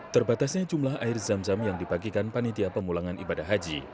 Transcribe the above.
terbatasnya jumlah air zam zam yang dibagikan panitia pemulangan ibadah haji